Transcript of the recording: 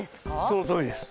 そのとおりです。